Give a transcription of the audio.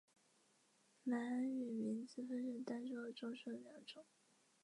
满语名词分成单数和众数两种。